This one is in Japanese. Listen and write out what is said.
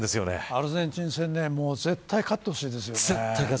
アルゼンチン戦絶対、勝ってほしいですね。